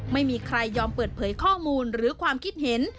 ไม่มีใครยอมเปิดเผยข้อมูลหรือความคิดเห็น